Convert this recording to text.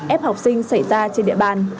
ép học sinh xảy ra trên địa bàn